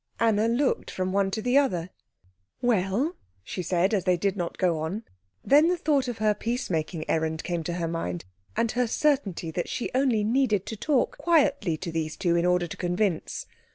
Anna looked from one to the other. "Well?" she said, as they did not go on. Then the thought of her peace making errand came into her mind, and her certainty that she only needed to talk quietly to these two in order to convince.